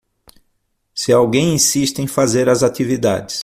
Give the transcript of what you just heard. Se alguém insiste em fazer atividades